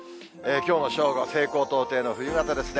きょうの正午、西高東低の冬型ですね。